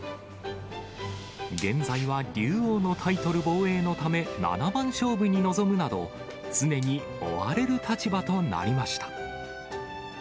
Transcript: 現在は竜王のタイトル防衛のため七番勝負に臨むなど、常に追われる立場となりました。